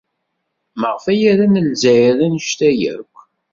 Maɣef ay ran Lezzayer anect-a akk?